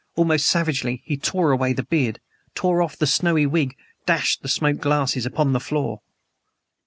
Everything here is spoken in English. Almost savagely, he tore away the beard, tore off the snowy wig dashed the smoked glasses upon the floor.